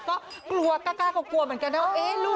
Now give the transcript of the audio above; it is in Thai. ก็กลัวก้ากวนเหมือนกันแหละ